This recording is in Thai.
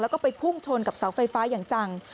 แล้วก็ไปพุ่งชนกับเสาไฟฟ้าอย่างจัง